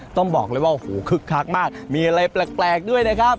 ต้องบอกเลยว่าโอ้โหคึกคักมากมีอะไรแปลกด้วยนะครับ